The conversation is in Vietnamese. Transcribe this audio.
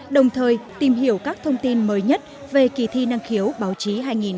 đồng thời tìm hiểu các thông tin mới nhất về kỳ thi năng khiếu báo chí hai nghìn một mươi chín